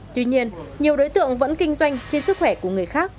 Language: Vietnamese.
tuy nhiên nhiều đối tượng vẫn kinh doanh trên sức khỏe của người khác